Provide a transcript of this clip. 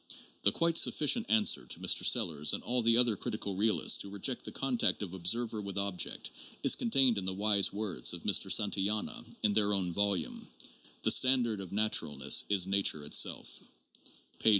The quite sufficient answer to Mr. Sellars and all the other critical realists who reject the contact of observer with objeet is contained in the wise words of Mr. Santayana in their own volume: " The standard of naturalness is nature itself " (p.